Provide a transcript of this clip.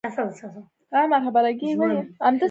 ته چې نه وې نجات نه کیده له درده